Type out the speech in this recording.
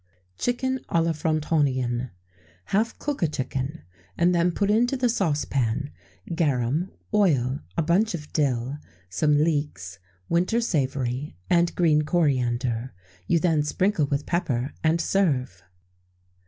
[XVII 34] Chicken à la Frontonienne. Half cook a chicken, and then put into the saucepan garum, oil, a bunch of dill, some leeks, winter savory, and green coriander. You then sprinkle with pepper, and serve.